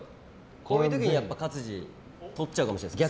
こういう時に勝地とっちゃうかもしれないです。